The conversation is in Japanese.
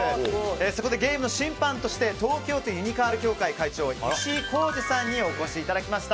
そこでゲームの審判として東京都ユニカール協会会長の石井功樹さんにお越しいただきました。